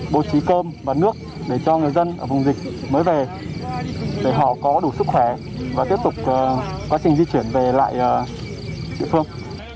bố trí cơm và nước để cho người dân ở vùng dịch mới về để họ có đủ sức khỏe và tiếp tục quá trình di chuyển về lại địa phương